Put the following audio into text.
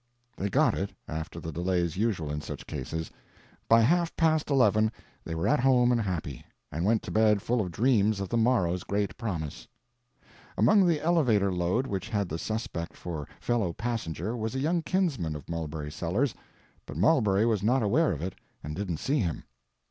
They got it, after the delays usual in such cases. By half past eleven they were at home and happy, and went to bed full of dreams of the morrow's great promise. Among the elevator load which had the suspect for fellow passenger was a young kinsman of Mulberry Sellers, but Mulberry was not aware of it and didn't see him.